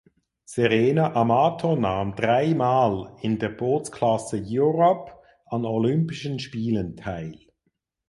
Serena Amato nahm dreimal in der Bootsklasse Europe an Olympischen Spielen teil.